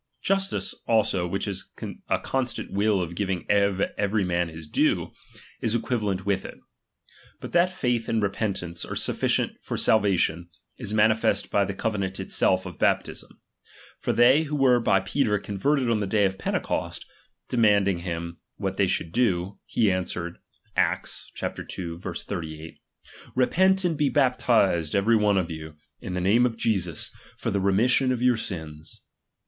Justice, also, which is a constant will of giving to every man his due, is equivalent with it. But iha.tj'aith and repeatnnce are sufficient for salvation, is manifest by the cove nant itself of baptism. For they who were by Peter converted on the day of Pentecost, demand ing him, what they should do : he answered (Acts ii. 38) : Repent and be baptized every one (^'you, in the name of Jesus, for the remission of' your sins.